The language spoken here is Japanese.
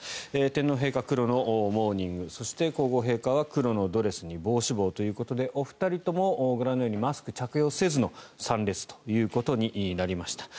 天皇陛下、黒のモーニングそして皇后陛下は黒のドレスに帽子ということでお二人ともご覧のようにマスクを着用せずの参列となりました。